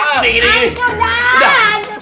hancur dah hancur